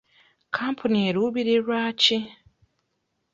Kampuni eruubirirwa ki?